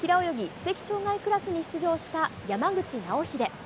知的障がいクラスに出場した山口尚秀。